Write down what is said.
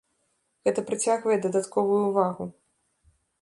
Гэта прыцягвае дадатковую ўвагу.